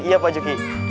iya pak juki